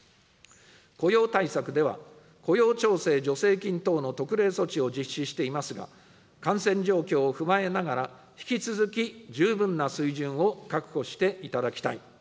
雇用対策では、雇用調整助成金等の特例措置を実施していますが、感染状況を踏まえながら、引き続き十分な水準を確保していただきたい。